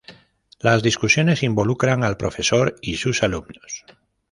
Las discusiones involucran al profesor y sus alumnos.